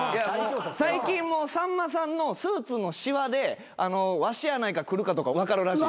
最近もうさんまさんのスーツのしわでワシやないかくるかとか分かるらしい。